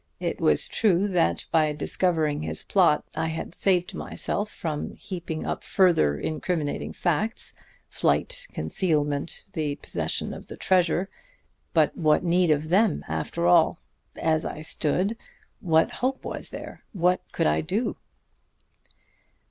It was true that by discovering his plot I had saved myself from heaping up further incriminating facts flight, concealment, the possession of the treasure. But what need of them, after all? As I stood, what hope was there? What could I do?"